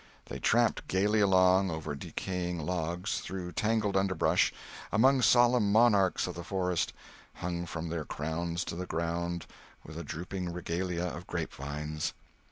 They tramped gayly along, over decaying logs, through tangled underbrush, among solemn monarchs of the forest, hung from their crowns to the ground with a drooping regalia of grape vines.